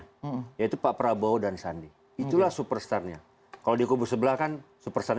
kalonnya yaitu pak prabowo dan sandi itulah superstarnya kalau di kubus sebelah kan supresor